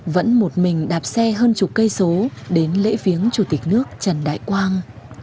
vẫn một mình đạp xe hơn chục cây số đến lễ viếng chủ tịch nước trần đại quang